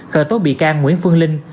khởi tố bị can nguyễn phương linh